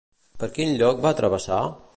Per quin lloc va travessar?